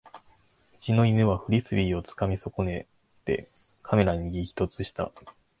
うちの犬はフリスビーをつかみ損ねてカメラに激突した